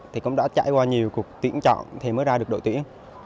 thì cũng đã trải qua nhiều cuộc tuyển chọn thì mới ra được đội tuyển